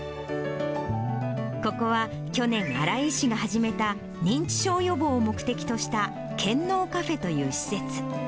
ここは去年新井医師が始めた、認知症予防を目的とした健脳カフェという施設。